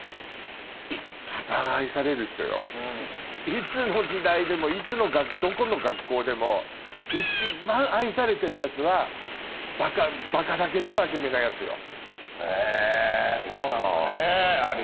いつの時代でもどこの学校でも一番愛されてるヤツはバカだけど真面目なヤツよ。